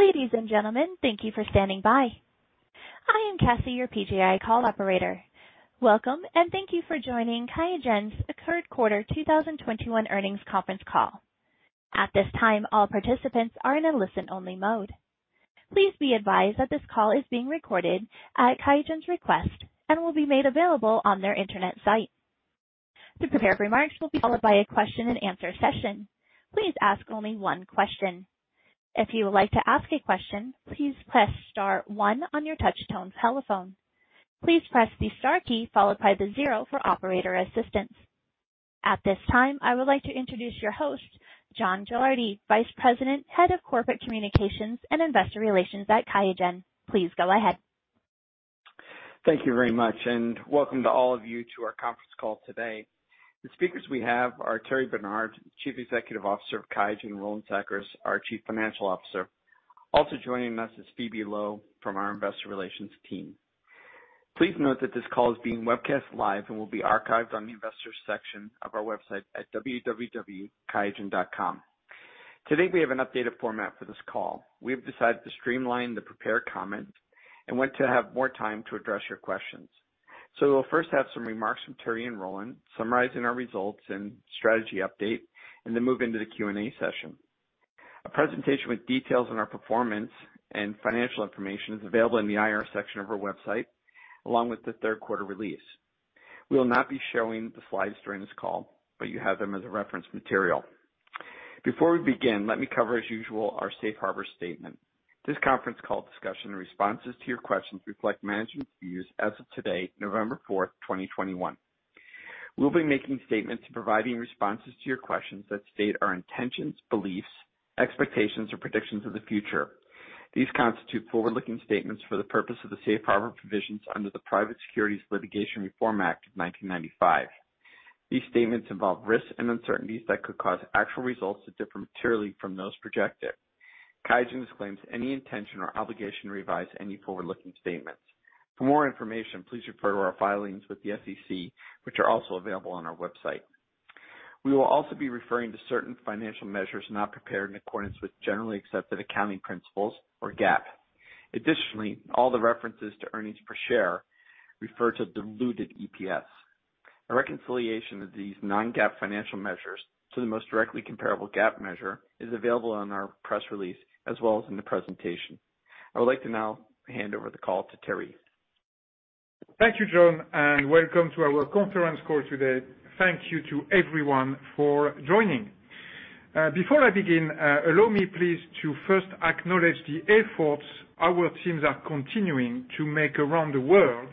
Ladies and gentlemen, thank you for standing by. I am Cassie, your PGi call operator. Welcome, and thank you for joining QIAGEN's Third Quarter 2021 Earnings Conference Call. At this time, all participants are in a listen-only mode. Please be advised that this call is being recorded at QIAGEN's request and will be made available on their internet site. To prepare for remarks, we'll be followed by a question-and-answer session. Please ask only one question. If you would like to ask a question, please press star one on your touch-tone telephone. Please press the star key followed by the zero for operator assistance. At this time, I would like to introduce your host, John Gilardi, Vice President, Head of Corporate Communications and Investor Relations at QIAGEN. Please go ahead. Thank you very much, and welcome to all of you to our conference call today. The speakers we have are Thierry Bernard, Chief Executive Officer of QIAGEN, Roland Sackers, our Chief Financial Officer. Also joining us is Phoebe Loh from our Investor Relations team. Please note that this call is being webcast live and will be archived on the investor section of our website at www.qiagen.com. Today, we have an updated format for this call. We have decided to streamline the prepared comments and want to have more time to address your questions. So we'll first have some remarks from Thierry and Roland, summarizing our results and strategy update, and then move into the Q&A session. A presentation with details on our performance and financial information is available in the IR section of our website, along with the third quarter release. We will not be showing the slides during this call, but you have them as reference material. Before we begin, let me cover, as usual, our Safe Harbor statement. This conference call discussion and responses to your questions reflect management's views as of today, November 4th, 2021. We'll be making statements and providing responses to your questions that state our intentions, beliefs, expectations, or predictions of the future. These constitute forward-looking statements for the purpose of the Safe Harbor provisions under the Private Securities Litigation Reform Act of 1995. These statements involve risks and uncertainties that could cause actual results to differ materially from those projected. QIAGEN disclaims any intention or obligation to revise any forward-looking statements. For more information, please refer to our filings with the SEC, which are also available on our website. We will also be referring to certain financial measures not prepared in accordance with generally accepted accounting principles, or GAAP. Additionally, all the references to earnings per share refer to diluted EPS. A reconciliation of these non-GAAP financial measures to the most directly comparable GAAP measure is available on our press release as well as in the presentation. I would like to now hand over the call to Thierry. Thank you, John, and welcome to our conference call today. Thank you to everyone for joining. Before I begin, allow me please to first acknowledge the efforts our teams are continuing to make around the world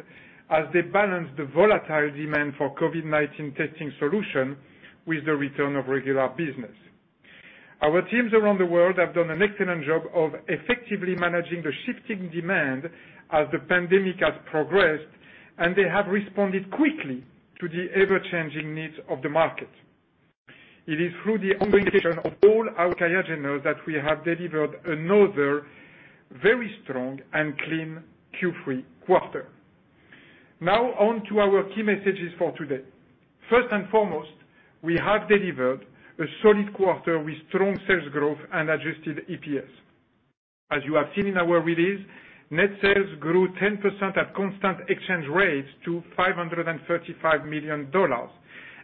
as they balance the volatile demand for COVID-19 testing solutions with the return of regular business. Our teams around the world have done an excellent job of effectively managing the shifting demand as the pandemic has progressed, and they have responded quickly to the ever-changing needs of the market. It is through the ongoing action of all our QIAGENers that we have delivered another very strong and clean Q3 quarter. Now, on to our key messages for today. First and foremost, we have delivered a solid quarter with strong sales growth and adjusted EPS. As you have seen in our release, net sales grew 10% at constant exchange rates to $535 million,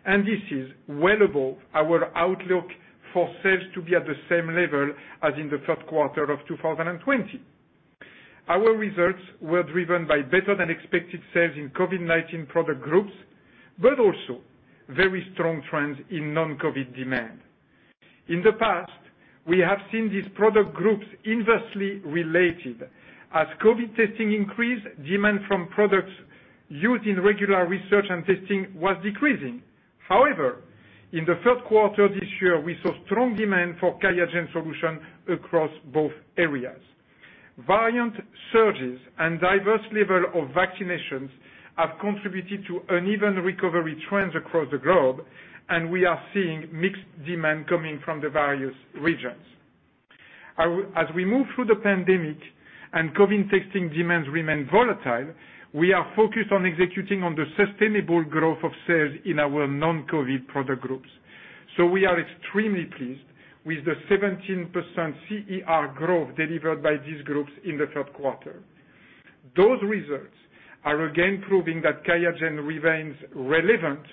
and this is well above our outlook for sales to be at the same level as in the third quarter of 2020. Our results were driven by better-than-expected sales in COVID-19 product groups, but also very strong trends in non-COVID demand. In the past, we have seen these product groups inversely related as COVID testing increased, demand from products used in regular research and testing was decreasing. However, in the third quarter this year, we saw strong demand for QIAGEN solutions across both areas. Variant surges and diverse levels of vaccinations have contributed to uneven recovery trends across the globe, and we are seeing mixed demand coming from the various regions. As we move through the pandemic and COVID testing demands remain volatile, we are focused on executing on the sustainable growth of sales in our non-COVID product groups. So we are extremely pleased with the 17% CER growth delivered by these groups in the third quarter. Those results are again proving that QIAGEN remains relevant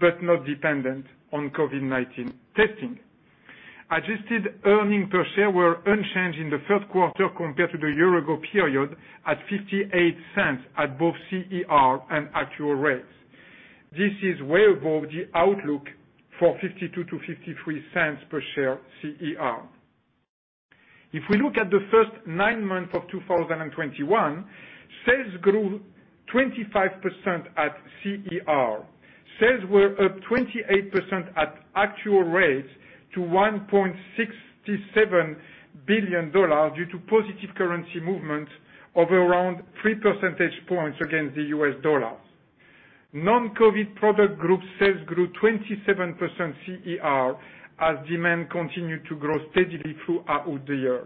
but not dependent on COVID-19 testing. Adjusted earnings per share were unchanged in the third quarter compared to the year-ago period at $0.58 at both CER and actual rates. This is well above the outlook for $0.52-$0.53 per share CER. If we look at the first nine months of 2021, sales grew 25% at CER. Sales were up 28% at actual rates to $1.67 billion due to positive currency movements of around 3 percentage points against the U.S. dollar. Non-COVID product group sales grew 27% CER as demand continued to grow steadily throughout the year.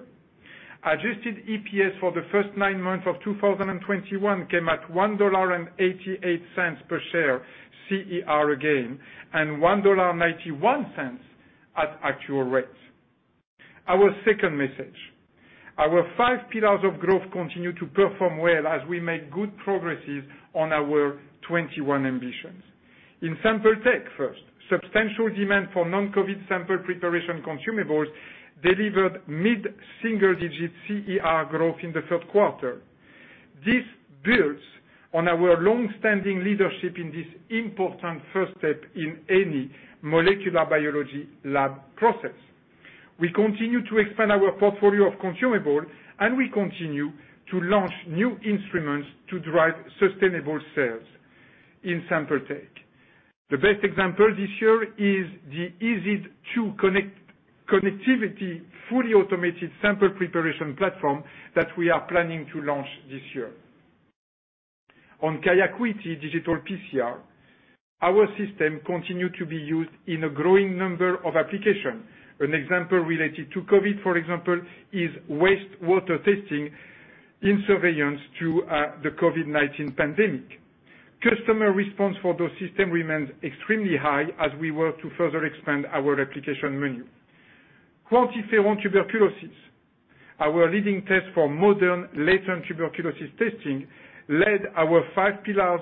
Adjusted EPS for the first nine months of 2021 came at $1.88 per share CER again and $1.91 at actual rates. Our second message: our five pillars of growth continue to perform well as we make good progress on our 2021 ambitions. In Sample Tech first, substantial demand for non-COVID sample preparation consumables delivered mid-single-digit CER growth in the third quarter. This builds on our long-standing leadership in this important first step in any molecular biology lab process. We continue to expand our portfolio of consumables, and we continue to launch new instruments to drive sustainable sales in Sample Tech. The best example this year is the EZ2 Connect fully automated sample preparation platform that we are planning to launch this year. On QIAcuity digital PCR, our system continues to be used in a growing number of applications. An example related to COVID, for example, is wastewater testing in surveillance to the COVID-19 pandemic. Customer response for those systems remains extremely high as we work to further expand our application menu. QuantiFERON tuberculosis, our leading test for modern latent tuberculosis testing, led our five pillars'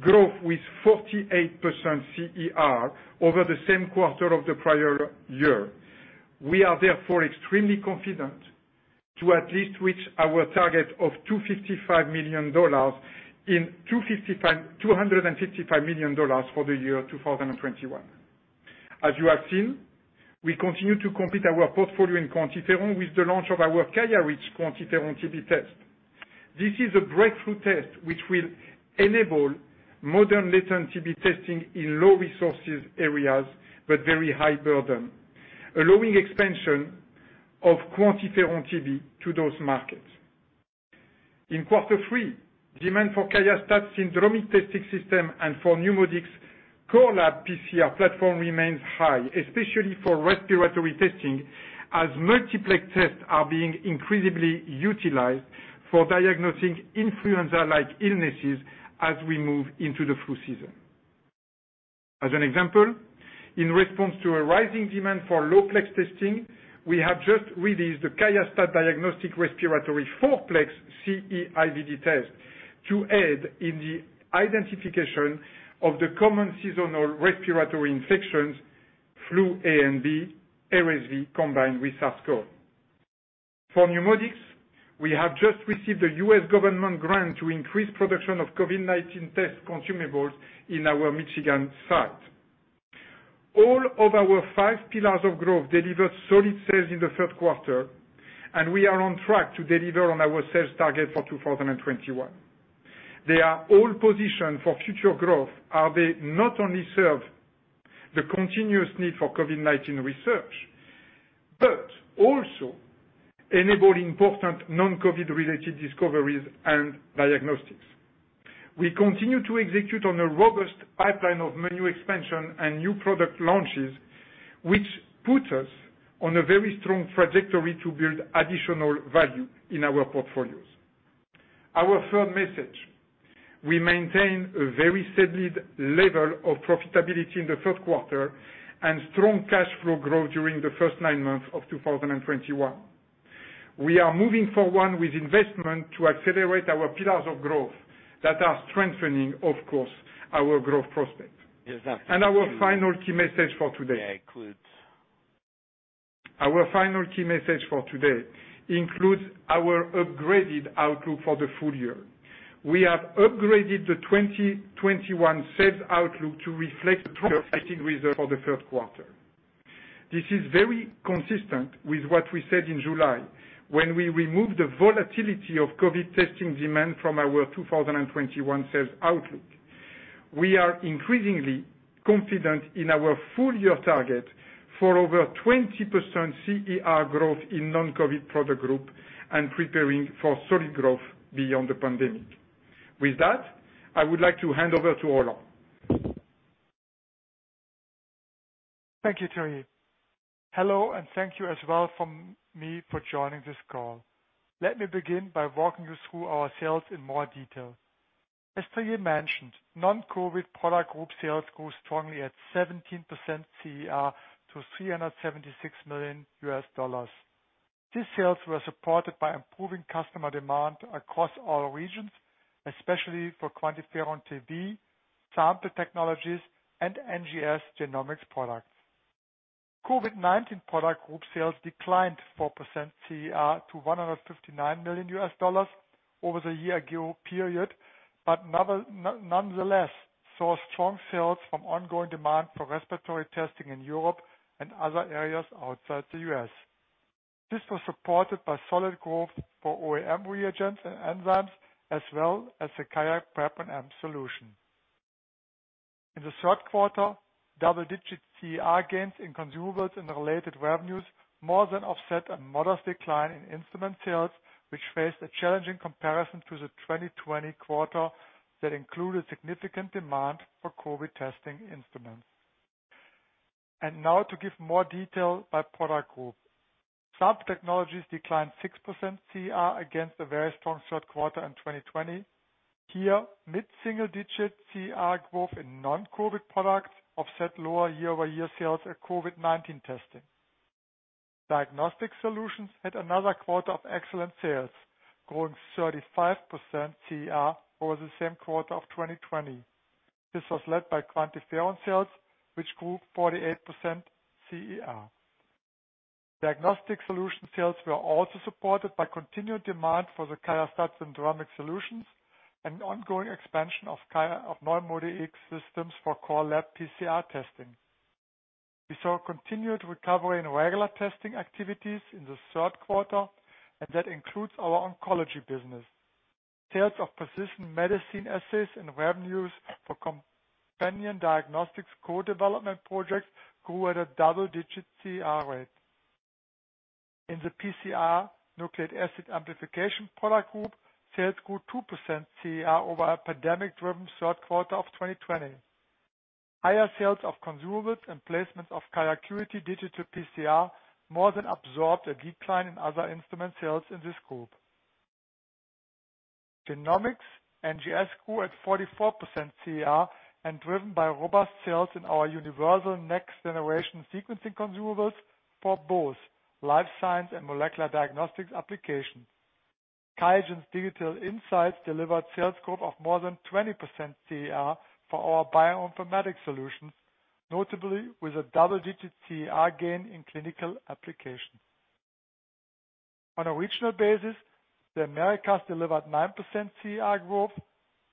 growth with 48% CER over the same quarter of the prior year. We are therefore extremely confident to at least reach our target of $255 million in-- $255 million for the year 2021. As you have seen, we continue to complete our portfolio in QuantiFERON with the launch of our QIAreach QuantiFERON-TB test. This is a breakthrough test which will enable modern latent TB testing in low-resources areas but very high burden, allowing expansion of QuantiFERON-TB to those markets. In quarter three, demand for QIAstat syndromic testing system and for NeuMoDx core lab PCR platform remains high, especially for respiratory testing as multiplex tests are being increasingly utilized for diagnosing influenza-like illnesses as we move into the flu season. As an example, in response to a rising demand for low-plex testing, we have just released the QIAstat diagnostic respiratory four-plex CE-IVD test to aid in the identification of the common seasonal respiratory infections: flu A and B, RSV combined with SARS-CoV. For NeuMoDx, we have just received a U.S. government grant to increase production of COVID-19 test consumables in our Michigan site. All of our five pillars of growth delivered solid sales in the third quarter, and we are on track to deliver on our sales target for 2021. They are all positioned for future growth as they not only serve the continuous need for COVID-19 research but also enable important non-COVID-related discoveries and diagnostics. We continue to execute on a robust pipeline of menu expansion and new product launches, which put us on a very strong trajectory to build additional value in our portfolios. Our third message: we maintain a very steady level of profitability in the third quarter and strong cash flow growth during the first nine months of 2021. We are moving forward with investment to accelerate our pillars of growth that are strengthening, of course, our growth prospect. And our final key message for today includes our upgraded outlook for the full year. We have upgraded the 2021 sales outlook to reflect the result for the third quarter. This is very consistent with what we said in July when we removed the volatility of COVID testing demand from our 2021 sales outlook. We are increasingly confident in our full-year target for over 20% CER growth in non-COVID product group and preparing for solid growth beyond the pandemic. With that, I would like to hand over to Roland. Thank you, Thierry. Hello, and thank you as well from me for joining this call. Let me begin by walking you through our sales in more detail. As Thierry mentioned, non-COVID product group sales grew strongly at 17% CER to $376 million. These sales were supported by improving customer demand across all regions, especially for QuantiFERON-TB Sample Technologies and NGS genomics products. COVID-19 product group sales declined 4% CER to $159 million over the year-ago period, but nonetheless saw strong sales from ongoing demand for respiratory testing in Europe and other areas outside the U.S. This was supported by solid growth for OEM reagents and enzymes, as well as the QIAprep&amp Solution. In the third quarter, double-digit CER gains in consumables and related revenues more than offset a modest decline in instrument sales, which faced a challenging comparison to the 2020 quarter that included significant demand for COVID testing instruments. Now, to give more detail by product group, Sample Technologies declined 6% CER against a very strong third quarter in 2020. Here, mid-single-digit CER growth in non-COVID products offset lower year-over-year sales at COVID-19 testing. Diagnostic Solutions had another quarter of excellent sales, growing 35% CER over the same quarter of 2020. This was led by QuantiFERON sales, which grew 48% CER. Diagnostic solution sales were also supported by continued demand for the QIAstat syndromic solutions and ongoing expansion of NeuMoDx systems for core lab PCR testing. We saw continued recovery in regular testing activities in the third quarter, and that includes our oncology business. Sales of precision medicine assays and revenues for companion diagnostics co-development projects grew at a double-digit CER rate. In the PCR Nucleic Acid Amplification product group, sales grew 2% CER over a pandemic-driven third quarter of 2020. Higher sales of consumables and placements of QIAcuity digital PCR more than absorbed a decline in other instrument sales in this group. Genomics NGS grew at 44% CER and driven by robust sales in our universal next-generation sequencing consumables for both life science and molecular diagnostics applications. QIAGEN's Digital Insights delivered sales growth of more than 20% CER for our bioinformatics solutions, notably with a double-digit CER gain in clinical applications. On a regional basis, the Americas delivered 9% CER growth.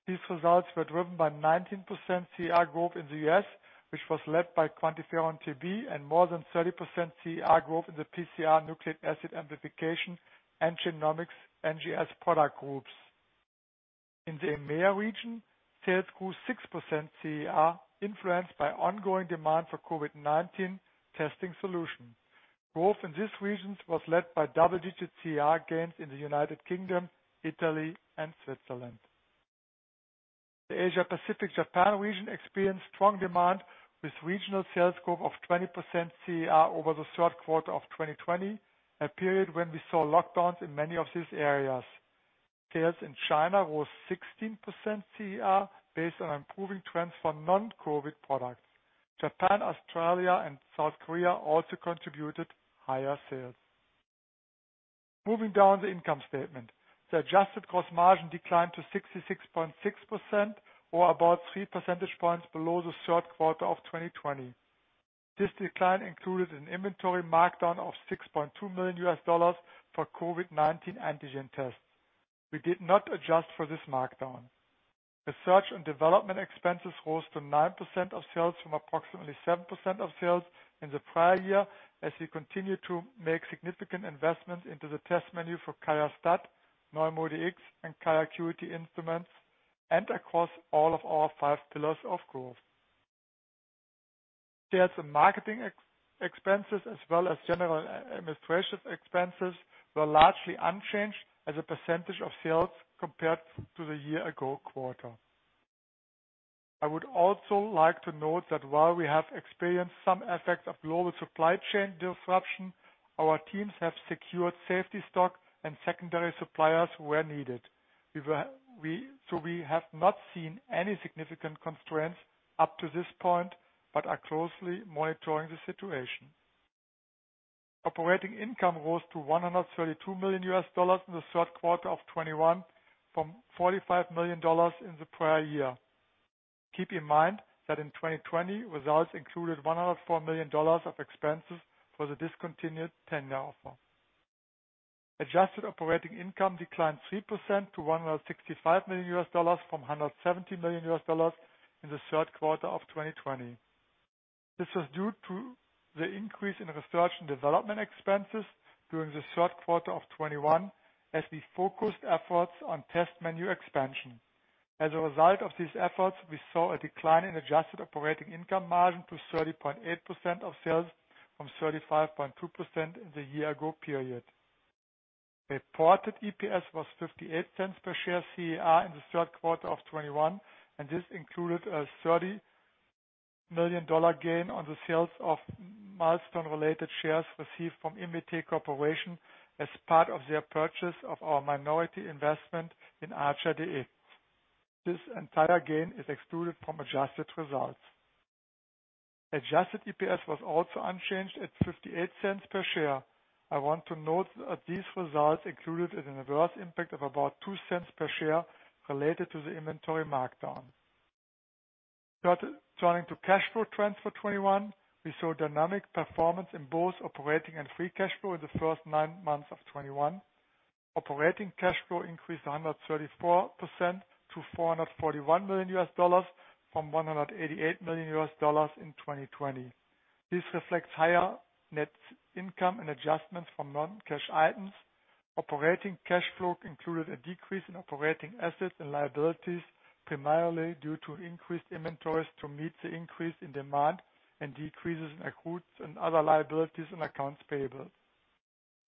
These results were driven by 19% CER growth in the U.S., which was led by QuantiFERON-TB, and more than 30% CER growth in the PCR Nucleic Acid Amplification and genomics NGS product groups. In the EMEA region, sales grew 6% CER, influenced by ongoing demand for COVID-19 testing solutions. Growth in these regions was led by double-digit CER gains in the United Kingdom, Italy, and Switzerland. The Asia-Pacific-Japan region experienced strong demand with regional sales growth of 20% CER over the third quarter of 2020, a period when we saw lockdowns in many of these areas. Sales in China rose 16% CER based on improving trends for non-COVID products. Japan, Australia, and South Korea also contributed higher sales. Moving down the income statement, the adjusted gross margin declined to 66.6%, or about 3 percentage points below the third quarter of 2020. This decline included an inventory markdown of $6.2 million for COVID-19 antigen tests. We did not adjust for this markdown. Research and development expenses rose to 9% of sales from approximately 7% of sales in the prior year as we continue to make significant investments into the test menu for QIAstat, non-NeuMoDx, and QIAcuity instruments, and across all of our five pillars of growth. Sales and marketing expenses, as well as general administrative expenses, were largely unchanged as a percentage of sales compared to the year-ago quarter. I would also like to note that while we have experienced some effects of global supply chain disruption, our teams have secured safety stock and secondary suppliers where needed. So we have not seen any significant constraints up to this point but are closely monitoring the situation. Operating income rose to $132 million in the third quarter of 2021 from $45 million in the prior year. Keep in mind that in 2020, results included $104 million of expenses for the discontinued tender offer. Adjusted operating income declined 3% to $165 million from $170 million in the third quarter of 2020. This was due to the increase in research and development expenses during the third quarter of 2021 as we focused efforts on test menu expansion. As a result of these efforts, we saw a decline in adjusted operating income margin to 30.8% of sales from 35.2% in the year-ago period. Reported EPS was $0.58 per share CER in the third quarter of 2021, and this included a $30 million gain on the sales of milestone-related shares received from Invitae Corporation as part of their purchase of our minority investment in ArcherDX. This entire gain is excluded from adjusted results. Adjusted EPS was also unchanged at $0.58 per share. I want to note that these results included a reverse impact of about $0.02 per share related to the inventory markdown. Turning to cash flow trends for 2021, we saw dynamic performance in both operating and free cash flow in the first nine months of 2021. Operating cash flow increased 134% to $441 million from $188 million in 2020. This reflects higher net income and adjustments from non-cash items. Operating cash flow included a decrease in operating assets and liabilities, primarily due to increased inventories to meet the increase in demand and decreases in accrued and other liabilities on accounts payable.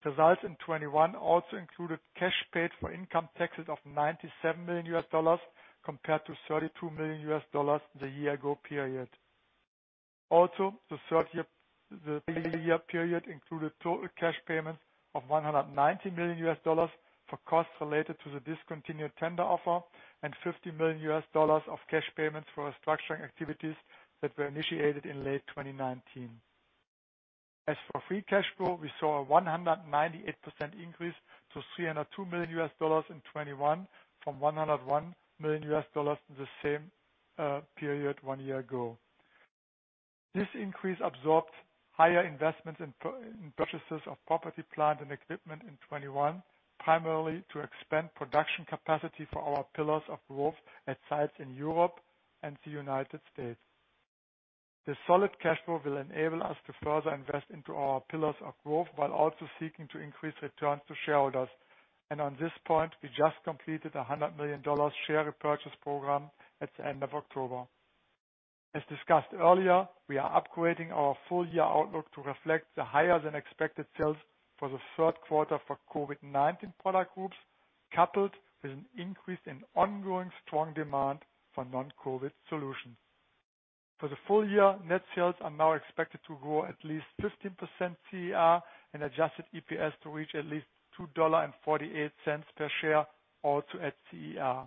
Results in 2021 also included cash paid for income taxes of $97 million compared to $32 million in the year-ago period. Also, the third-year period included total cash payments of $190 million for costs related to the discontinued tender offer and $50 million of cash payments for restructuring activities that were initiated in late 2019. As for free cash flow, we saw a 198% increase to $302 million in 2021 from $101 million in the same period one year ago. This increase absorbed higher investments in purchases of property, plant and equipment in 2021, primarily to expand production capacity for our pillars of growth at sites in Europe and the United States. The solid cash flow will enable us to further invest into our pillars of growth while also seeking to increase returns to shareholders, and on this point, we just completed a $100 million share repurchase program at the end of October. As discussed earlier, we are upgrading our full-year outlook to reflect the higher-than-expected sales for the third quarter for COVID-19 product groups, coupled with an increase in ongoing strong demand for non-COVID solutions. For the full-year, net sales are now expected to grow at least 15% CER and adjusted EPS to reach at least $2.48 per share, also at CER.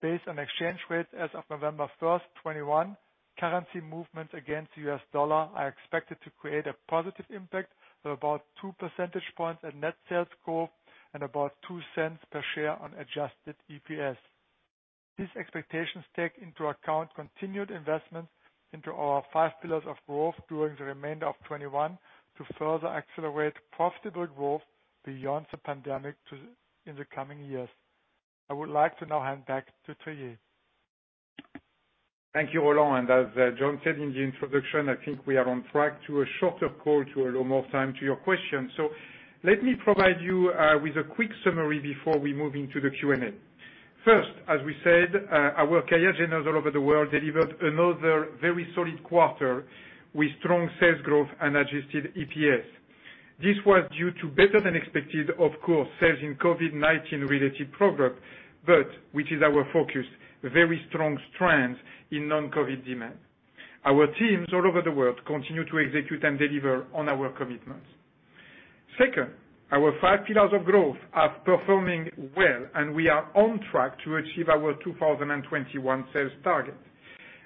Based on exchange rates as of November 1, 2021, currency movements against the U.S. dollar are expected to create a positive impact of about 2 percentage points at net sales growth and about $0.02 per share on adjusted EPS. These expectations take into account continued investments into our five pillars of growth during the remainder of 2021 to further accelerate profitable growth beyond the pandemic in the coming years. I would like to now hand back to Thierry. Thank you, Roland, and as John said in the introduction, I think we are on track to a shorter call to allow more time to your questions. So let me provide you with a quick summary before we move into the Q&A. First, as we said, our QIAGEN all over the world delivered another very solid quarter with strong sales growth and adjusted EPS. This was due to better-than-expected, of course, sales in COVID-19-related products, but, which is our focus, very strong strengths in non-COVID demand. Our teams all over the world continue to execute and deliver on our commitments. Second, our five pillars of growth are performing well, and we are on track to achieve our 2021 sales target.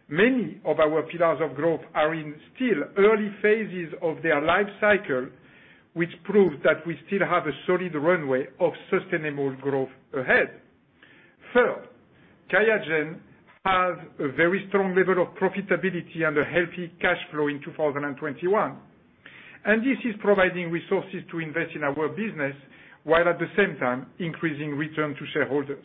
Many of our pillars of growth are in still early phases of their life cycle, which proves that we still have a solid runway of sustainable growth ahead. Third, QIAGEN has a very strong level of profitability and a healthy cash flow in 2021. And this is providing resources to invest in our business while at the same time increasing return to shareholders.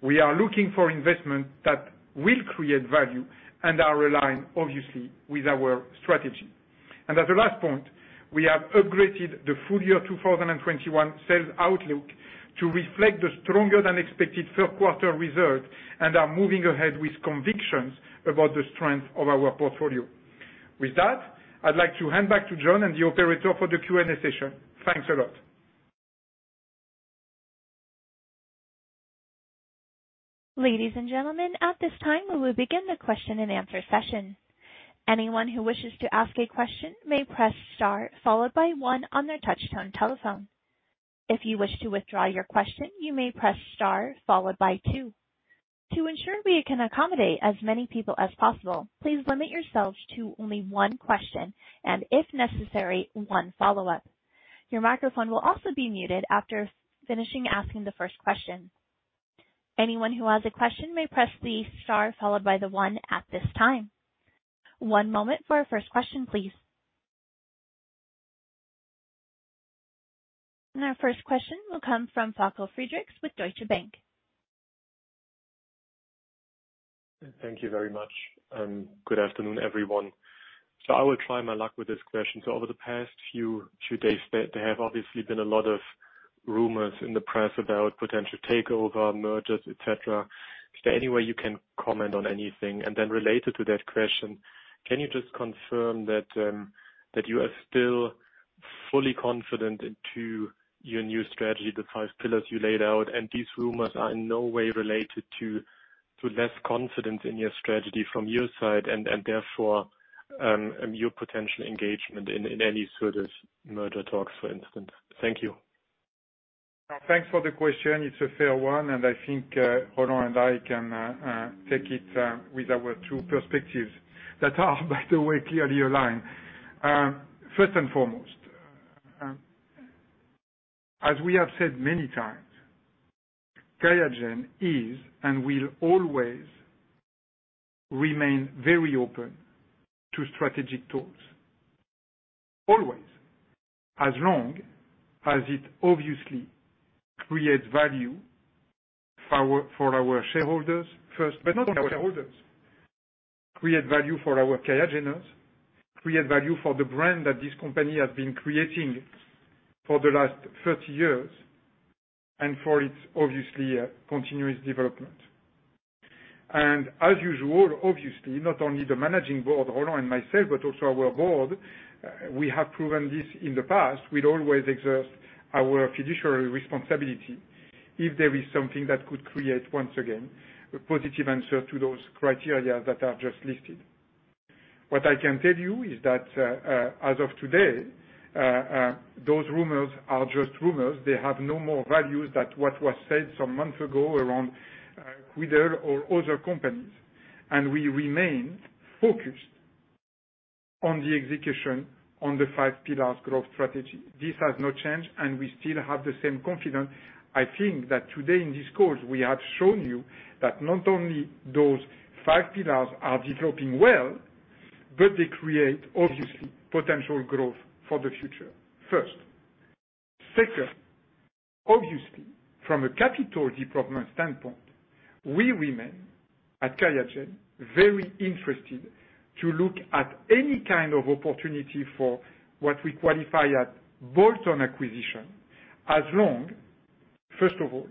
We are looking for investments that will create value and are aligned, obviously, with our strategy. And as a last point, we have upgraded the full-year 2021 sales outlook to reflect the stronger-than-expected third-quarter result and are moving ahead with convictions about the strength of our portfolio. With that, I'd like to hand back to John and the operator for the Q&A session. Thanks a lot. Ladies and gentlemen, at this time, we will begin the question-and-answer session. Anyone who wishes to ask a question may press star, followed by one on their touch-tone telephone. If you wish to withdraw your question, you may press star, followed by two. To ensure we can accommodate as many people as possible, please limit yourselves to only one question and, if necessary, one follow-up. Your microphone will also be muted after finishing asking the first question. Anyone who has a question may press the star, followed by the one at this time. One moment for our first question, please. And our first question will come from Falko Friedrichs with Deutsche Bank. Thank you very much. Good afternoon, everyone. So I will try my luck with this question. So over the past few days, there have obviously been a lot of rumors in the press about potential takeover, mergers, etc. Is there any way you can comment on anything? And then related to that question, can you just confirm that you are still fully confident into your new strategy, the five pillars you laid out, and these rumors are in no way related to less confidence in your strategy from your side and therefore your potential engagement in any sort of merger talks, for instance? Thank you. Thanks for the question. It's a fair one, and I think Roland and I can take it with our two perspectives that are, by the way, clearly aligned. First and foremost, as we have said many times, QIAGEN is and will always remain very open to strategic talks. Always. As long as it obviously creates value for our shareholders, first, but not only shareholders. Create value for our QIAGENers, create value for the brand that this company has been creating for the last 30 years and for its obviously continuous development, and as usual, obviously, not only the managing board, Roland and myself, but also our board, we have proven this in the past, will always exert our fiduciary responsibility if there is something that could create, once again, a positive answer to those criteria that are just listed. What I can tell you is that as of today, those rumors are just rumors. They have no more value than what was said some months ago around Quidel or other companies, and we remain focused on the execution on the five-pillar growth strategy. This has not changed, and we still have the same confidence. I think that today in this call, we have shown you that not only those five pillars are developing well, but they create, obviously, potential growth for the future. First. Second, obviously, from a capital development standpoint, we remain at QIAGEN very interested to look at any kind of opportunity for what we qualify as bolt-on acquisition, as long, first of all,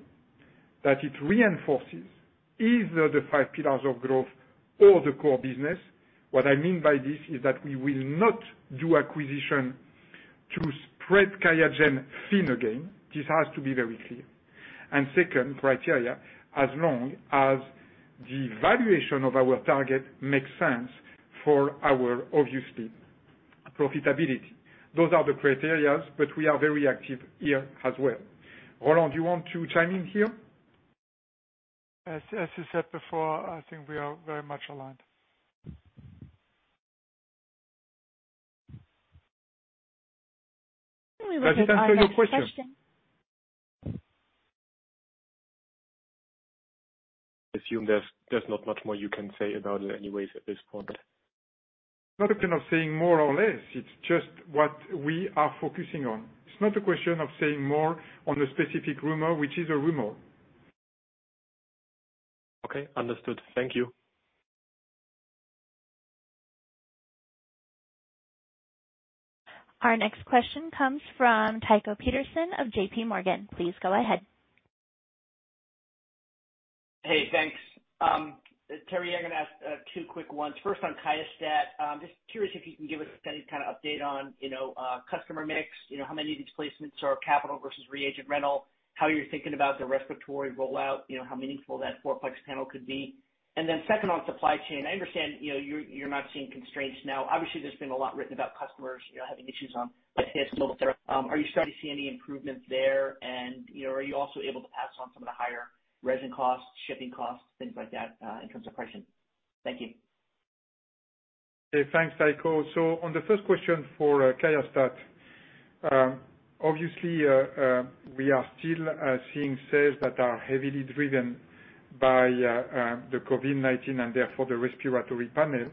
that it reinforces either the five pillars of growth or the core business. What I mean by this is that we will not do acquisition to spread QIAGEN thin again. This has to be very clear, and second criteria, as long as the valuation of our target makes sense for our, obviously, profitability. Those are the criteria, but we are very active here as well. Roland, do you want to chime in here? As you said before, I think we are very much aligned. Can I answer your question? Assume there's not much more you can say about it anyways at this point. Not a question of saying more or less. It's just what we are focusing on. It's not a question of saying more on the specific rumor, which is a rumor. Okay. Understood. Thank you. Our next question comes from Tycho Peterson of JPMorgan. Please go ahead. Hey, thanks. Thierry, I'm going to ask two quick ones. First, on QIAstat, just curious if you can give us any kind of update on customer mix, how many of these placements are capital versus reagent rental, how you're thinking about the respiratory rollout, how meaningful that four-plex panel could be. And then second, on supply chain, I understand you're not seeing constraints now. Obviously, there's been a lot written about customers having issues on, let's say, a shortage. Are you starting to see any improvements there, and are you also able to pass on some of the higher resin costs, shipping costs, things like that in terms of pricing? Thank you. Thanks, Tycho. So on the first question for QIAstat-Dx, obviously, we are still seeing sales that are heavily driven by the COVID-19 and therefore the respiratory panel.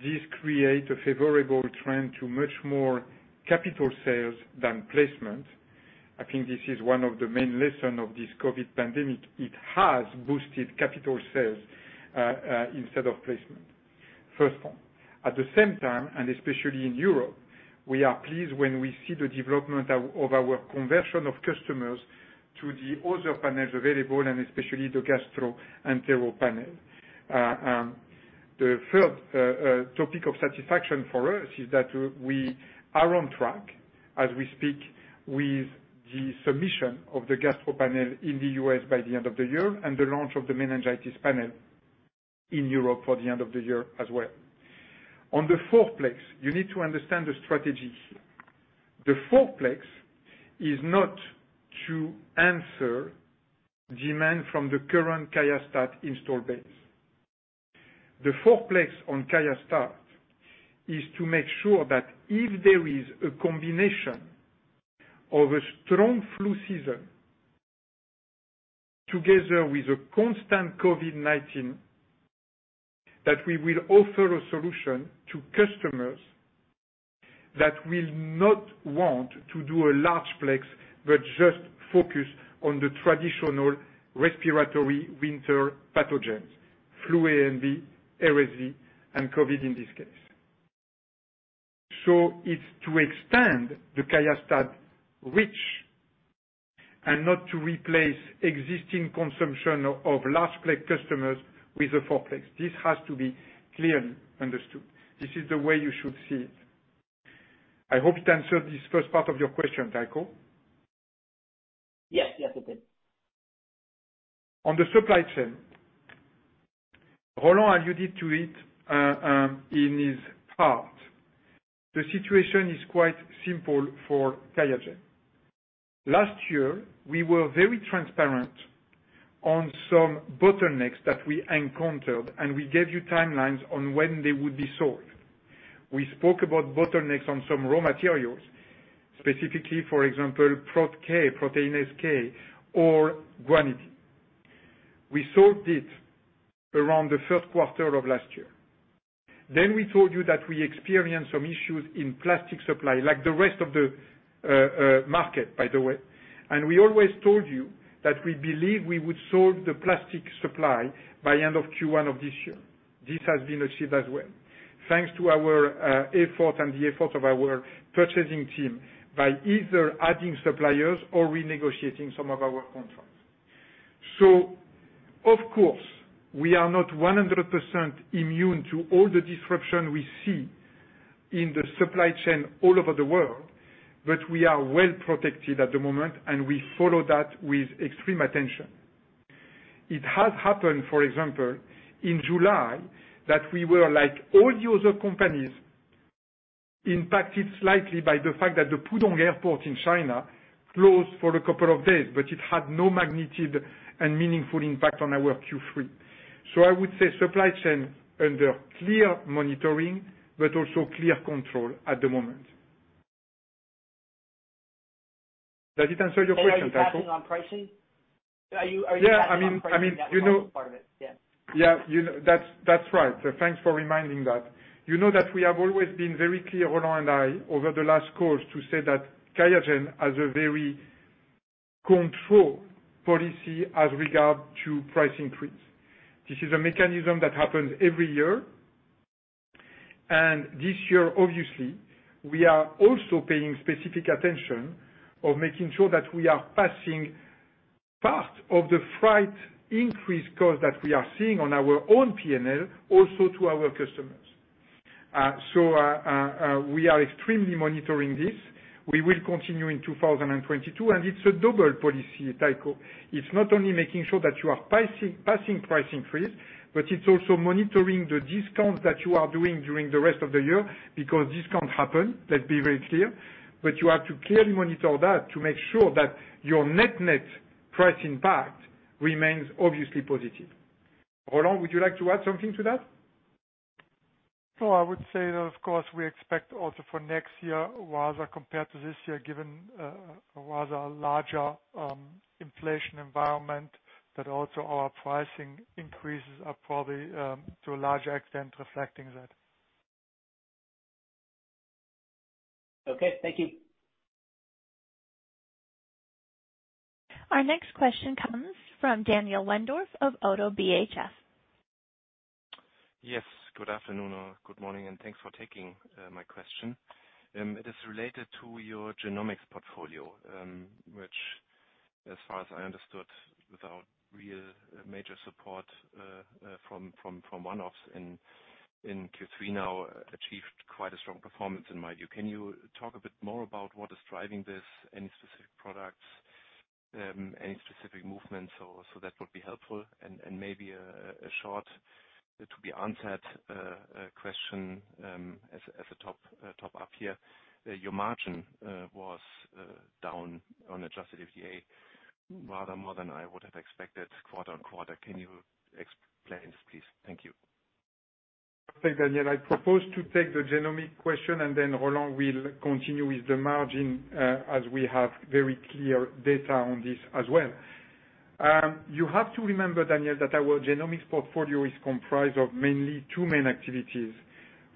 This creates a favorable trend to much more capital sales than placement. I think this is one of the main lessons of this COVID pandemic. It has boosted capital sales instead of placement. First point. At the same time, and especially in Europe, we are pleased when we see the development of our conversion of customers to the other panels available, and especially the gastrointestinal panel. The third topic of satisfaction for us is that we are on track as we speak with the submission of the gastrointestinal panel in the U.S. by the end of the year and the launch of the meningitis panel in Europe for the end of the year as well. On the four-plex, you need to understand the strategy. The four-plex is not to answer demand from the current QIAstat install base. The four-plex on QIAstat is to make sure that if there is a combination of a strong flu season together with a constant COVID-19, that we will offer a solution to customers that will not want to do a large plex but just focus on the traditional respiratory winter pathogens, flu A and B, RSV, and COVID in this case. So it's to extend the QIAstat reach and not to replace existing consumption of large plex customers with a four-plex. This has to be clearly understood. This is the way you should see it. I hope it answered this first part of your question, Tycho. Yes, yes, it did. On the supply chain, Roland alluded to it in his part. The situation is quite simple for QIAGEN. Last year, we were very transparent on some bottlenecks that we encountered, and we gave you timelines on when they would be solved. We spoke about bottlenecks on some raw materials, specifically, for example, Proteinase K or guanidine. We solved it around the third quarter of last year. Then we told you that we experienced some issues in plastic supply, like the rest of the market, by the way. And we always told you that we believe we would solve the plastic supply by end of Q1 of this year. This has been achieved as well. Thanks to our effort and the effort of our purchasing team by either adding suppliers or renegotiating some of our contracts. So, of course, we are not 100% immune to all the disruption we see in the supply chain all over the world, but we are well protected at the moment, and we follow that with extreme attention. It has happened, for example, in July that we were like all the other companies impacted slightly by the fact that the Pudong Airport in China closed for a couple of days, but it had no material and meaningful impact on our Q3. So I would say supply chain under clear monitoring, but also clear control at the moment. Does it answer your question, Tycho? Are you passing on pricing? Are you passing on pricing? Yeah, I mean, you know. That's part of it, yeah. Yeah, that's right. Thanks for reminding that. You know that we have always been very clear, Roland and I, over the last calls, to say that QIAGEN has a very controlled policy as regard to price increase. This is a mechanism that happens every year. And this year, obviously, we are also paying specific attention to making sure that we are passing part of the freight increase cost that we are seeing on our own P&L also to our customers. So we are extremely monitoring this. We will continue in 2022, and it's a double policy, Tycho. It's not only making sure that you are passing price increase, but it's also monitoring the discounts that you are doing during the rest of the year because discounts happen, let's be very clear, but you have to clearly monitor that to make sure that your net-net price impact remains obviously positive. Roland, would you like to add something to that? No, I would say that, of course, we expect also for next year, rather compared to this year, given rather a larger inflation environment, that also our pricing increases are probably to a large extent reflecting that. Okay. Thank you. Our next question comes from Daniel Wendorff of ODDO BHF. Yes, good afternoon or good morning, and thanks for taking my question. It is related to your genomics portfolio, which, as far as I understood, without real major support from one-offs in Q3 now, achieved quite a strong performance in my view. Can you talk a bit more about what is driving this, any specific products, any specific movements? So that would be helpful. And maybe a short, to be answered question as a top-up here. Your margin was down on adjusted EBITDA rather more than I would have expected quarter on quarter. Can you explain this, please? Thank you. Perfect, Daniel. I propose to take the genomic question, and then Roland will continue with the margin as we have very clear data on this as well. You have to remember, Daniel, that our genomics portfolio is comprised of mainly two main activities.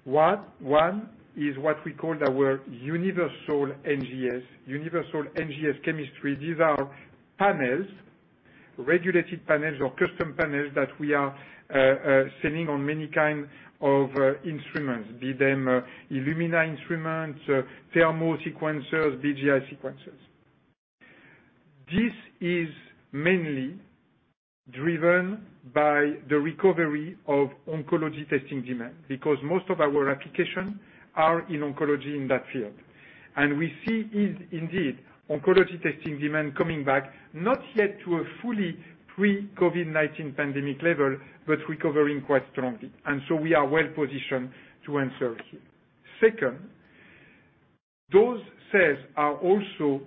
One is what we call our universal NGS, universal NGS chemistry. These are panels, regulated panels or custom panels that we are selling on many kinds of instruments, be them Illumina instruments, Thermo sequencers, BGI sequencers. This is mainly driven by the recovery of oncology testing demand because most of our applications are in oncology in that field, and we see, indeed, oncology testing demand coming back, not yet to a fully pre-COVID-19 pandemic level, but recovering quite strongly, and so we are well positioned to answer here. Second, those sales are also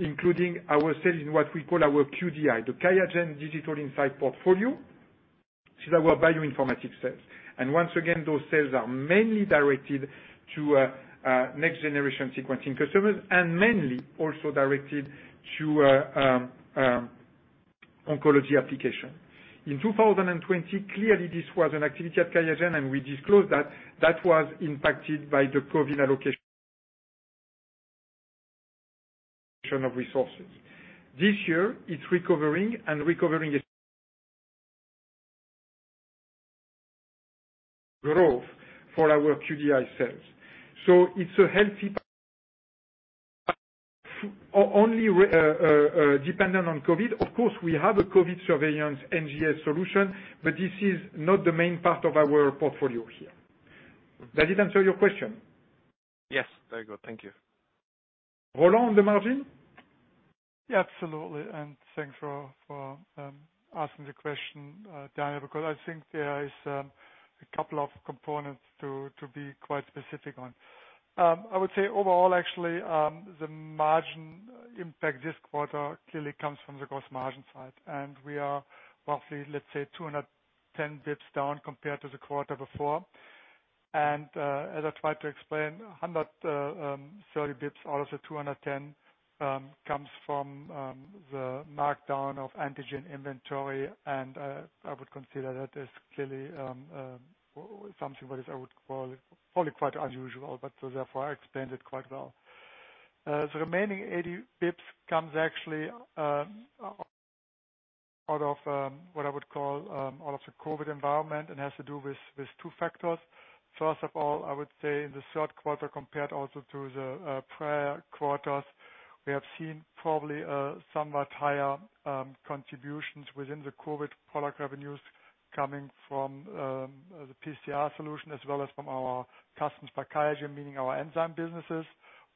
including our sales in what we call our QDI, the QIAGEN Digital Insights portfolio. This is our bioinformatics sales. And once again, those sales are mainly directed to next-generation sequencing customers and mainly also directed to oncology application. In 2020, clearly, this was an activity at QIAGEN, and we disclosed that that was impacted by the COVID allocation of resources. This year, it's recovering, and recovering growth for our QDI sales. So it's healthy, not only dependent on COVID. Of course, we have a COVID surveillance NGS solution, but this is not the main part of our portfolio here. Does it answer your question? Yes, very good. Thank you. Roland, the margin? Yeah, absolutely and thanks for asking the question, Daniel, because I think there are a couple of components to be quite specific on. I would say overall, actually, the margin impact this quarter clearly comes from the gross margin side and we are roughly, let's say, 210 bps down compared to the quarter before and as I tried to explain, 130 bps out of the 210 comes from the markdown of antigen inventory and I would consider that as clearly something that is, I would call it, probably quite unusual, but therefore, I explained it quite well. The remaining 80 bps comes actually out of what I would call out of the COVID environment and has to do with two factors. First of all, I would say in the third quarter compared also to the prior quarters, we have seen probably somewhat higher contributions within the COVID product revenues coming from the PCR solution as well as from our consumables by QIAGEN, meaning our enzyme businesses.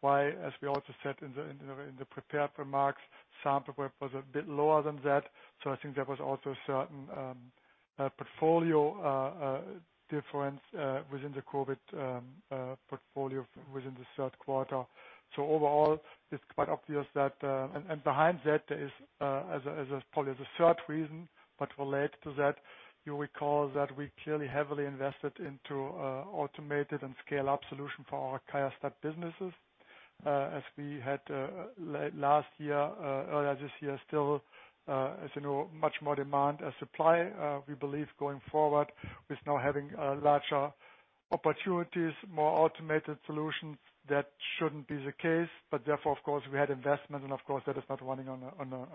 Why, as we also said in the prepared remarks, sample was a bit lower than that. So I think there was also a certain portfolio difference within the COVID portfolio within the third quarter. So overall, it's quite obvious that. Behind that, there is probably a third reason, but related to that, you recall that we clearly heavily invested into automated and scale-up solutions for our QIAstat businesses. As we had last year, earlier this year, still, as you know, much more demand than supply. We believe going forward, with now having larger opportunities, more automated solutions, that shouldn't be the case. But therefore, of course, we had investments, and of course, that is not running on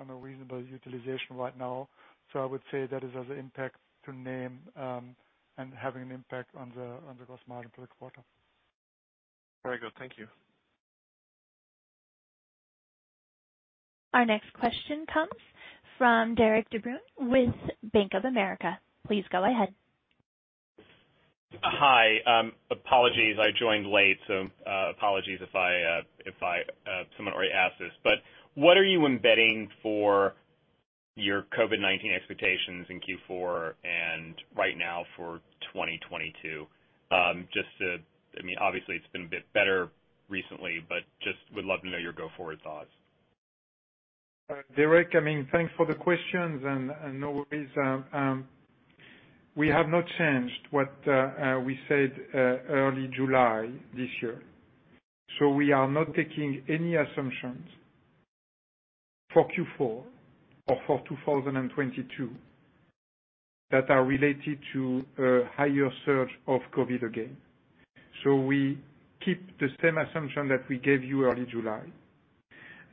a reasonable utilization right now. So I would say that has an impact to name and having an impact on the gross margin for the quarter. Very good. Thank you. Our next question comes from Derik de Bruin with Bank of America. Please go ahead. Hi. Apologies, I joined late, so apologies if someone already asked this. But what are you embedding for your COVID-19 expectations in Q4 and right now for 2022? Just to, I mean, obviously, it's been a bit better recently, but just would love to know your go-forward thoughts. Derek, I mean, thanks for the questions and no worries. We have not changed what we said early July this year. So we are not taking any assumptions for Q4 or for 2022 that are related to a higher surge of COVID again. So we keep the same assumption that we gave you early July.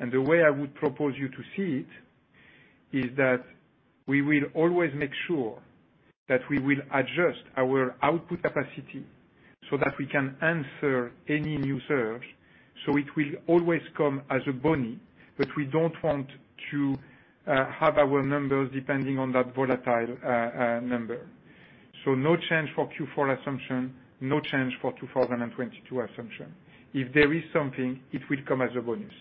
And the way I would propose you to see it is that we will always make sure that we will adjust our output capacity so that we can answer any new surge. So it will always come as a bonus, but we don't want to have our numbers depending on that volatile number. So no change for Q4 assumption, no change for 2022 assumption. If there is something, it will come as a bonus.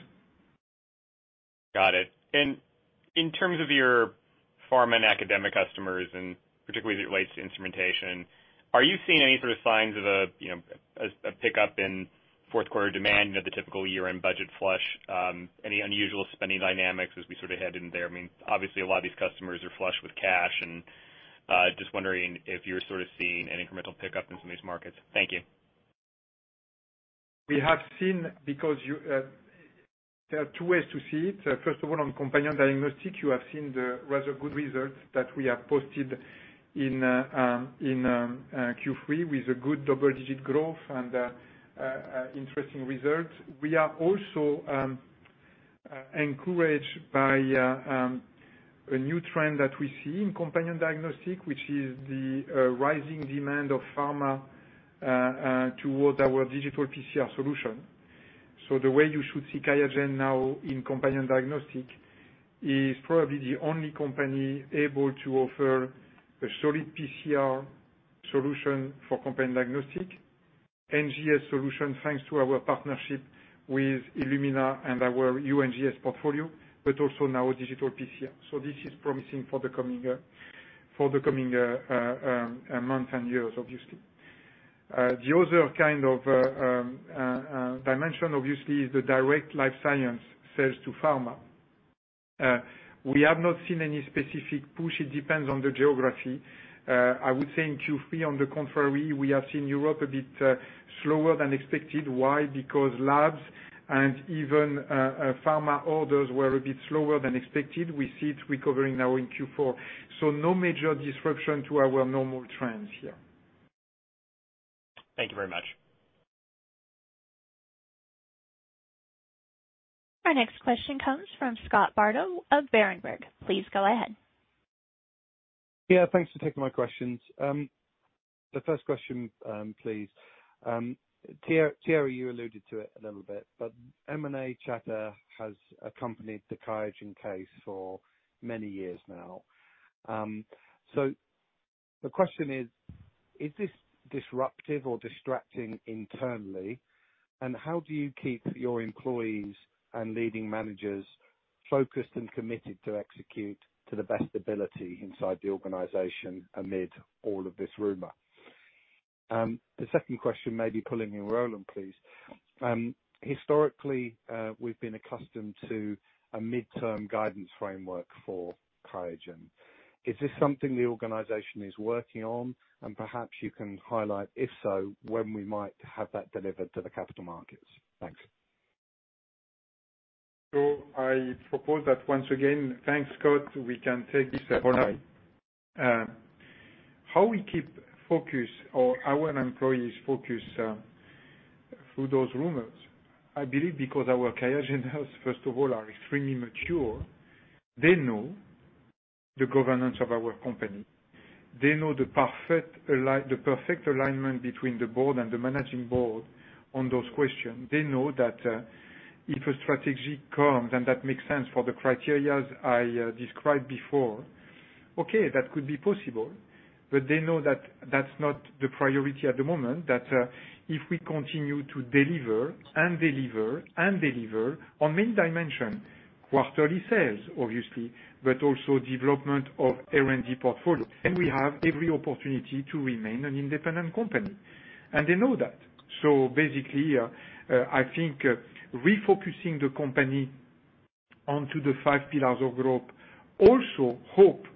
Got it. And in terms of your pharma and academic customers, and particularly as it relates to instrumentation, are you seeing any sort of signs of a pickup in fourth-quarter demand, the typical year-end budget flush, any unusual spending dynamics as we sort of head in there? I mean, obviously, a lot of these customers are flush with cash, and just wondering if you're sort of seeing an incremental pickup in some of these markets. Thank you. We have seen because there are two ways to see it. First of all, on companion diagnostic, you have seen the rather good results that we have posted in Q3 with a good double-digit growth and interesting results. We are also encouraged by a new trend that we see in companion diagnostic, which is the rising demand of pharma towards our digital PCR solution. So the way you should see QIAGEN now in companion diagnostic is probably the only company able to offer a solid PCR solution for companion diagnostic, NGS solution thanks to our partnership with Illumina and our U-NGS portfolio, but also now digital PCR. So this is promising for the coming months and years, obviously. The other kind of dimension, obviously, is the direct life science sales to pharma. We have not seen any specific push. It depends on the geography. I would say in Q3, on the contrary, we have seen Europe a bit slower than expected. Why? Because labs and even pharma orders were a bit slower than expected. We see it recovering now in Q4. So no major disruption to our normal trends here. Thank you very much. Our next question comes from Scott Bardo of Berenberg. Please go ahead. Yeah, thanks for taking my questions. The first question, please. Thierry, you alluded to it a little bit, but M&A chatter has accompanied the QIAGEN case for many years now. So the question is, is this disruptive or distracting internally? And how do you keep your employees and leading managers focused and committed to execute to the best ability inside the organization amid all of this rumor? The second question, maybe pulling your roll-up, please. Historically, we've been accustomed to a mid-term guidance framework for QIAGEN. Is this something the organization is working on? And perhaps you can highlight, if so, when we might have that delivered to the capital markets. Thanks. I propose that once again, thanks, Scott, we can take this apart. How we keep focus or our employees' focus through those rumors? I believe because our QIAGENers, first of all, are extremely mature. They know the governance of our company. They know the perfect alignment between the board and the managing board on those questions. They know that if a strategy comes and that makes sense for the criteria I described before, okay, that could be possible. But they know that that's not the priority at the moment, that if we continue to deliver and deliver and deliver on many dimensions, quarterly sales, obviously, but also development of R&D portfolio, then we have every opportunity to remain an independent company. And they know that. So basically, I think refocusing the company onto the five pillars of growth also helped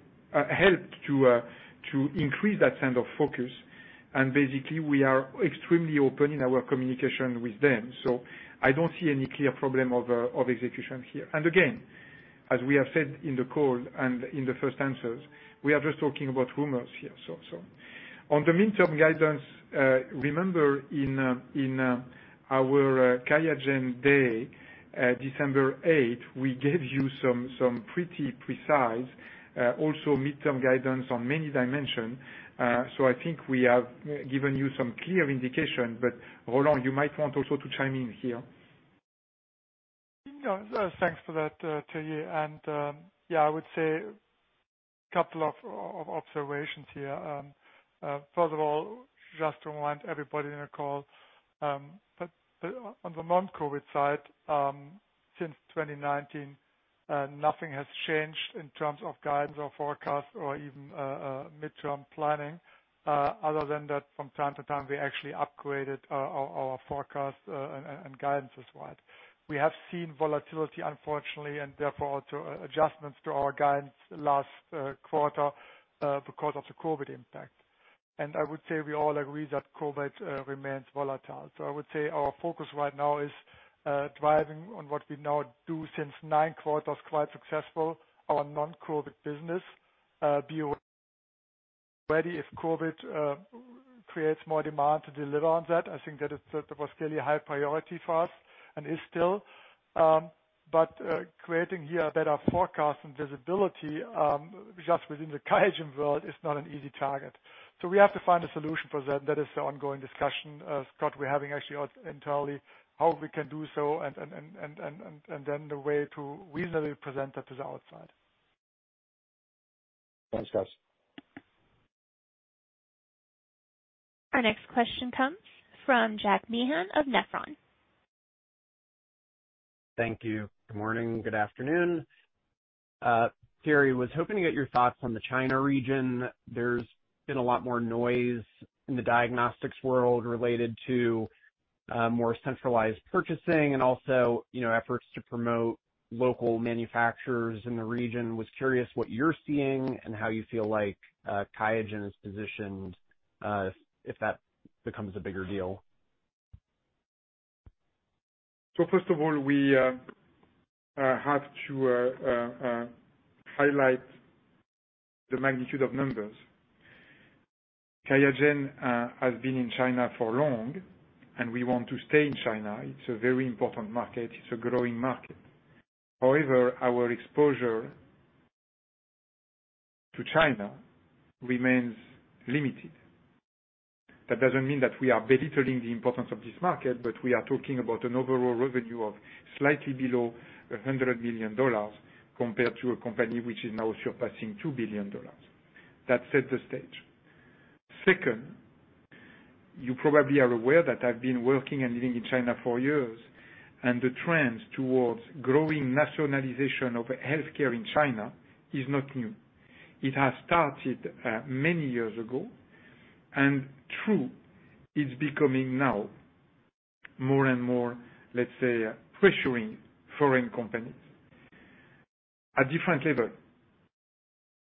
to increase that sense of focus. Basically, we are extremely open in our communication with them. I don't see any clear problem of execution here. Again, as we have said in the call and in the first answers, we are just talking about rumors here. On the midterm guidance, remember in our QIAGEN Day, December 8, we gave you some pretty precise, also midterm guidance on many dimensions. I think we have given you some clear indication, but Roland, you might want also to chime in here. Yeah, thanks for that, Thierry. And yeah, I would say a couple of observations here. First of all, just to remind everybody in the call, on the non-COVID side, since 2019, nothing has changed in terms of guidance or forecast or even midterm planning. Other than that, from time to time, we actually upgraded our forecast and guidance as well. We have seen volatility, unfortunately, and therefore also adjustments to our guidance last quarter because of the COVID impact. And I would say we all agree that COVID remains volatile. So I would say our focus right now is driving on what we now do since nine quarters quite successful, our non-COVID business. Be ready if COVID creates more demand to deliver on that. I think that was clearly a high priority for us and is still. But creating here a better forecast and visibility just within the QIAGEN world is not an easy target. So we have to find a solution for that, and that is the ongoing discussion. Scott, we're having actually internally how we can do so and then the way to reasonably present that to the outside. Thanks, guys. Our next question comes from Jack Meehan of Nephron. Thank you. Good morning, good afternoon. Thierry, I was hoping to get your thoughts on the China region. There's been a lot more noise in the diagnostics world related to more centralized purchasing and also efforts to promote local manufacturers in the region. I was curious what you're seeing and how you feel like QIAGEN is positioned if that becomes a bigger deal. So first of all, we have to highlight the magnitude of numbers. QIAGEN has been in China for long, and we want to stay in China. It's a very important market. It's a growing market. However, our exposure to China remains limited. That doesn't mean that we are belittling the importance of this market, but we are talking about an overall revenue of slightly below $100 million compared to a company which is now surpassing $2 billion. That set the stage. Second, you probably are aware that I've been working and living in China for years, and the trend towards growing nationalization of healthcare in China is not new. It has started many years ago. And true, it's becoming now more and more, let's say, pressuring foreign companies at different levels.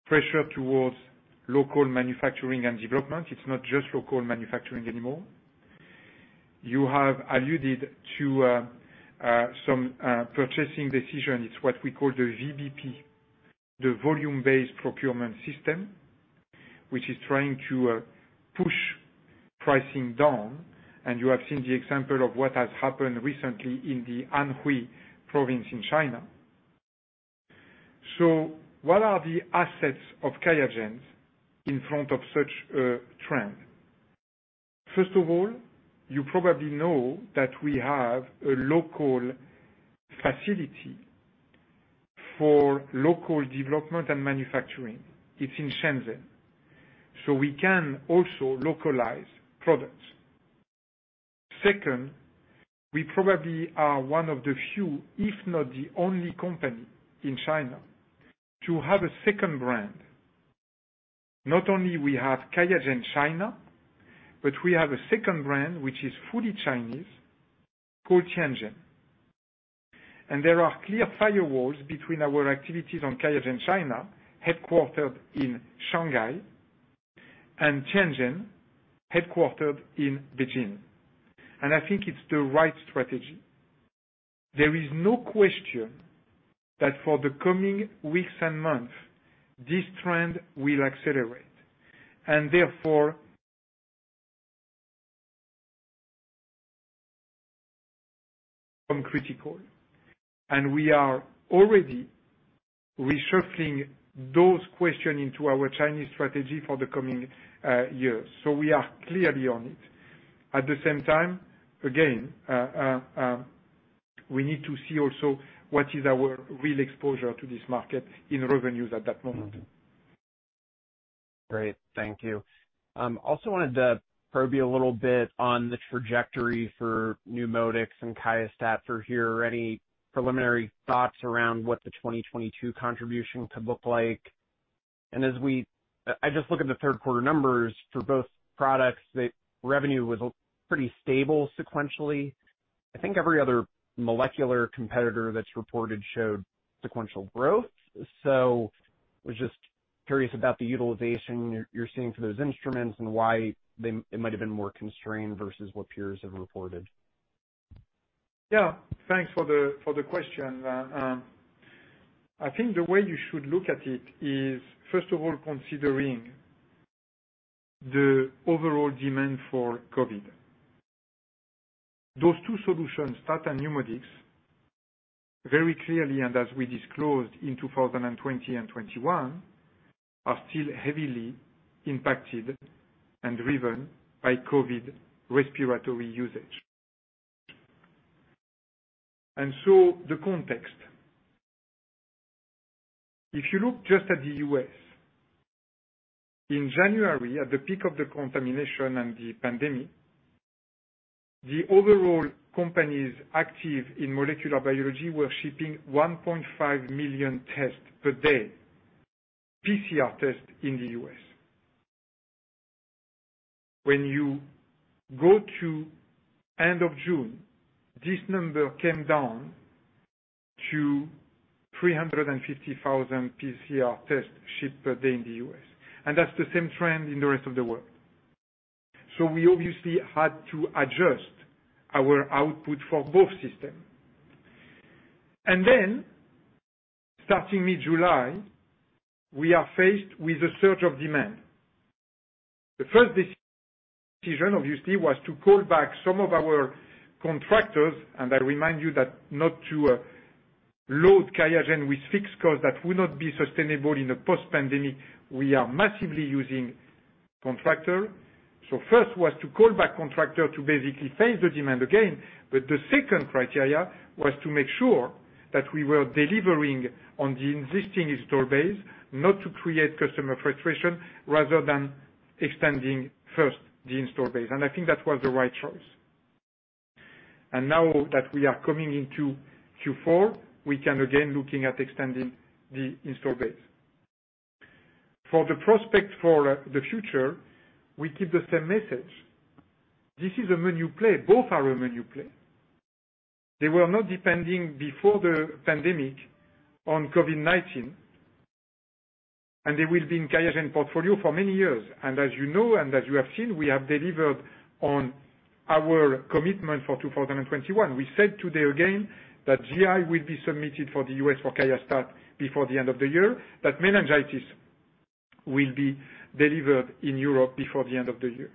Pressure towards local manufacturing and development. It's not just local manufacturing anymore. You have alluded to some purchasing decisions. It's what we call the VBP, the Volume-Based Procurement System, which is trying to push pricing down. And you have seen the example of what has happened recently in the Anhui province in China. So what are the assets of QIAGEN in front of such a trend? First of all, you probably know that we have a local facility for local development and manufacturing. It's in Shenzhen. So we can also localize products. Second, we probably are one of the few, if not the only company in China to have a second brand. Not only do we have QIAGEN China, but we have a second brand which is fully Chinese called Tiangen. And there are clear firewalls between our activities on QIAGEN China, headquartered in Shanghai, and Tiangen, headquartered in Beijing. And I think it's the right strategy. There is no question that for the coming weeks and months, this trend will accelerate, and therefore, it's critical, and we are already reshuffling those questions into our Chinese strategy for the coming years, so we are clearly on it. At the same time, again, we need to see also what is our real exposure to this market in revenues at that moment. Great. Thank you. I also wanted to probe you a little bit on the trajectory for NeuMoDx and QIAstat forward. Any preliminary thoughts around what the 2022 contribution could look like? And as we just look at the third quarter numbers for both products, revenue was pretty stable sequentially. I think every other molecular competitor that's reported showed sequential growth. I was just curious about the utilization you're seeing for those instruments and why it might have been more constrained versus what peers have reported. Yeah. Thanks for the question. I think the way you should look at it is, first of all, considering the overall demand for COVID. Those two solutions, Astat and Pneumotics, very clearly, and as we disclosed in 2020 and 2021, are still heavily impacted and driven by COVID respiratory usage. And so, the context. If you look just at the U.S., in January, at the peak of the contamination and the pandemic, the overall companies active in molecular biology were shipping 1.5 million tests per day, PCR tests in the U.S. When you go to end of June, this number came down to 350,000 PCR tests shipped per day in the U.S. And that's the same trend in the rest of the world, so we obviously had to adjust our output for both systems, and then, starting mid-July, we are faced with a surge of demand. The first decision, obviously, was to call back some of our contractors. And I remind you that not to load QIAGEN with fixed costs that would not be sustainable in a post-pandemic. We are massively using contractors. So first was to call back contractors to basically phase the demand again. But the second criteria was to make sure that we were delivering on the existing installed base, not to create customer frustration rather than extending first the installed base. And I think that was the right choice. And now that we are coming into Q4, we can again look at extending the installed base. For the prospect for the future, we keep the same message. This is a menu play. Both are a menu play. They were not depending before the pandemic on COVID-19. And they will be in QIAGEN portfolio for many years. And as you know and as you have seen, we have delivered on our commitment for 2021. We said today again that GI will be submitted for the U.S. for QIAstat before the end of the year, that meningitis will be delivered in Europe before the end of the year.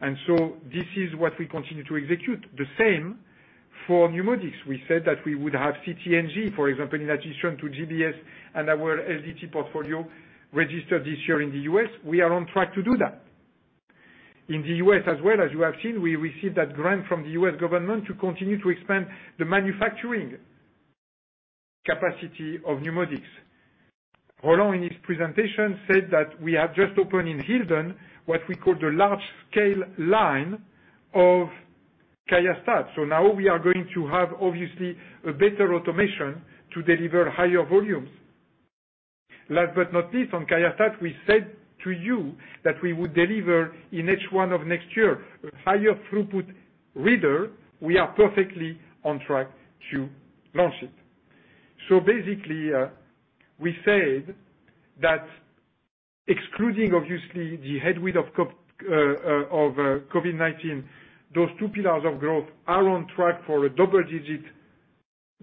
And so this is what we continue to execute. The same for NeuMoDx. We said that we would have CT/NG, for example, in addition to GBS and our LDT portfolio registered this year in the U.S. We are on track to do that. In the U.S. as well, as you have seen, we received that grant from the U.S. government to continue to expand the manufacturing capacity of NeuMoDx. Roland, in his presentation, said that we have just opened in Hilden what we call the large-scale line of QIAstat. So now we are going to have, obviously, a better automation to deliver higher volumes. Last but not least, on QIAstat, we said to you that we would deliver in H1 of next year a higher throughput reader. We are perfectly on track to launch it. So basically, we said that excluding, obviously, the headwind of COVID-19, those two pillars of growth are on track for a double-digit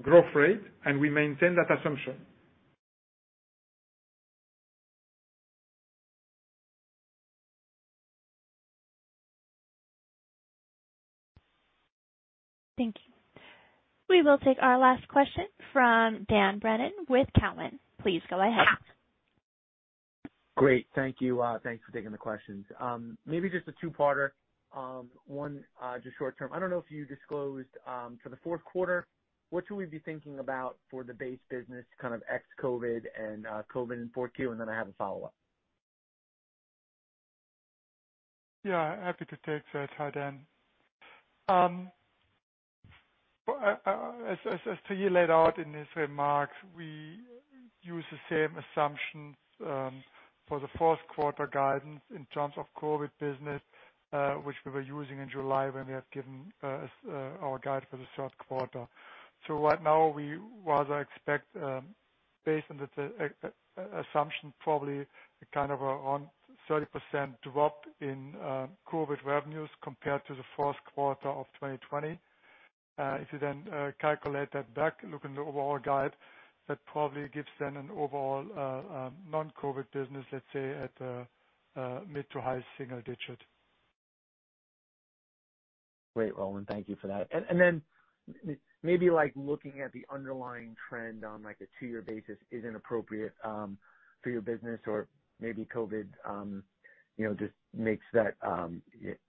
growth rate, and we maintain that assumption. Thank you. We will take our last question from Dan Brennan with Cowen. Please go ahead. Great. Thank you. Thanks for taking the questions. Maybe just a two-parter. One, just short term. I don't know if you disclosed for the fourth quarter, what should we be thinking about for the base business kind of ex-COVID and COVID-19? And then I have a follow-up. Yeah. Happy to take that, Dan. As Thierry laid out in his remarks, we use the same assumptions for the fourth quarter guidance in terms of COVID business, which we were using in July when we had given our guide for the third quarter. So right now, we rather expect, based on the assumption, probably kind of a 30% drop in COVID revenues compared to the fourth quarter of 2020. If you then calculate that back, look at the overall guide, that probably gives then an overall non-COVID business, let's say, at mid to high single digit. Great, Roland. Thank you for that. And then maybe looking at the underlying trend on a two-year basis isn't appropriate for your business, or maybe COVID just makes that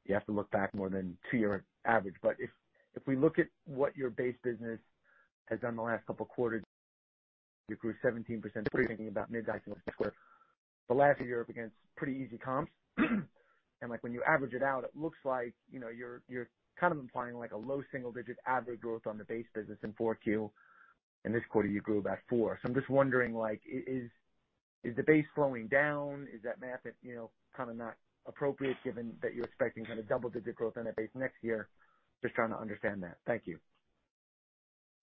you have to look back more than two-year average. But if we look at what your base business has done the last couple of quarters, you grew 17%. Thinking about mid-2Q quarter, the last year up against pretty easy comps. And when you average it out, it looks like you're kind of implying a low single-digit average growth on the base business in Q4. And this quarter, you grew about 4%. I'm just wondering, is the base slowing down? Is that math kind of not appropriate given that you're expecting kind of double-digit growth on the base next year? Just trying to understand that. Thank you.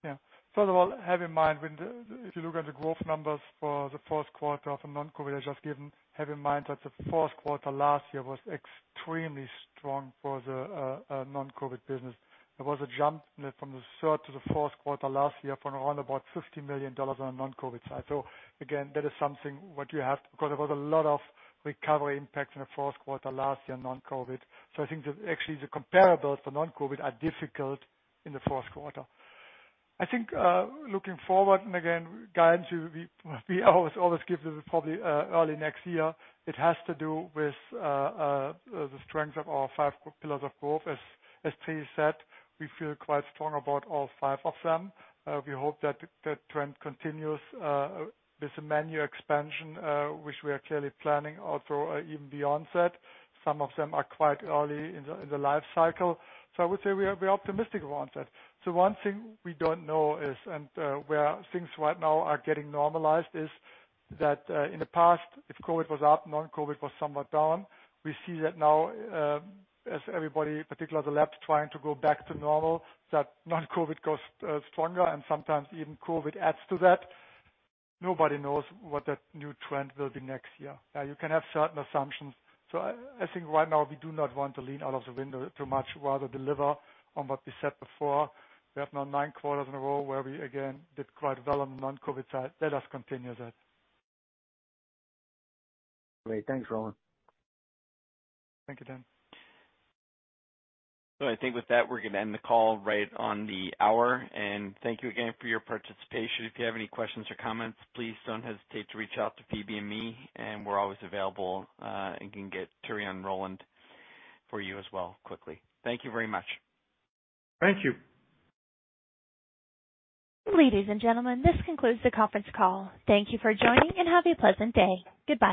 Yeah. First of all, have in mind, if you look at the growth numbers for the fourth quarter of the non-COVID, I just given, have in mind that the fourth quarter last year was extremely strong for the non-COVID business. There was a jump from the third to the fourth quarter last year for around about $50 million on a non-COVID side. So again, that is something what you have because there was a lot of recovery impact in the fourth quarter last year on non-COVID. So I think that actually the comparables for non-COVID are difficult in the fourth quarter. I think looking forward, and again, guidance we always give probably early next year, it has to do with the strength of our five pillars of growth. As Thierry said, we feel quite strong about all five of them. We hope that the trend continues with the menu expansion, which we are clearly planning, although even beyond that. Some of them are quite early in the life cycle. So I would say we are optimistic about that. So one thing we don't know is, and where things right now are getting normalized, is that in the past, if COVID was up, non-COVID was somewhat down. We see that now, as everybody, particularly the labs, trying to go back to normal, that non-COVID goes stronger, and sometimes even COVID adds to that. Nobody knows what that new trend will be next year. You can have certain assumptions. So I think right now, we do not want to lean out of the window too much, rather deliver on what we said before. We have now nine quarters in a row where we, again, did quite well on the non-COVID side. Let us continue that. Great. Thanks, Roland. Thank you, Dan. So I think with that, we're going to end the call right on the hour. And thank you again for your participation. If you have any questions or comments, please don't hesitate to reach out to Phoebe and me. And we're always available and can get Thierry and Roland for you as well quickly. Thank you very much. Thank you. Ladies and gentlemen, this concludes the conference call. Thank you for joining, and have a pleasant day. Goodbye.